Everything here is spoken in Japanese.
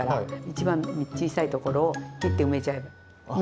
一番小さい所を切って埋めちゃえばいい。